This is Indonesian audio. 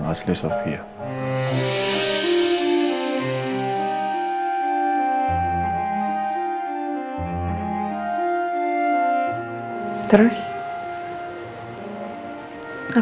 terima kasih op kaiser